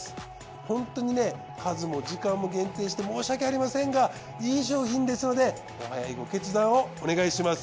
ホントにね数も時間も限定して申し訳ありませんがいい商品ですのでお早いご決断をお願いします。